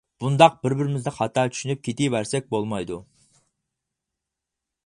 بۇنداق بىر-بىرىمىزنى خاتا چۈشىنىپ كېتىۋەرسەك بولمايدۇ.